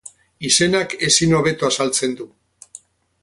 Izenak ezin hobeto azaltzen du.